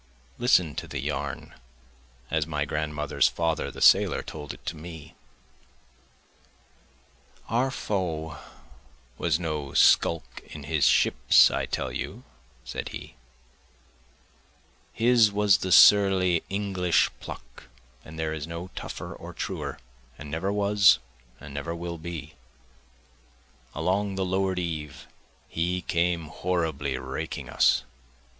List to the yarn, as my grandmother's father the sailor told it to me. Our foe was no skulk in his ship I tell you, (said he,) His was the surly English pluck, and there is no tougher or truer, and never was, and never will be; Along the lower'd eve he came horribly raking us.